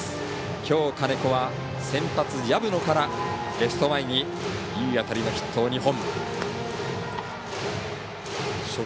きょう、金子は先発、薮野からレフト前に、いい当たりのヒットを２本。